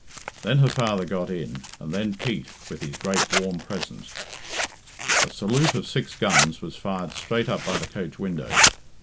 Then her father got in, and then Pete, with his great warm presence. A salute of six guns was fired straight up by the coach windows.